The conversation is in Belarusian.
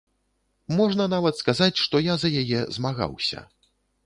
Можна нават сказаць, што я за яе змагаўся.